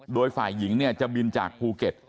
โดยฝ่ายหญิงจะบินจากภูเก็ต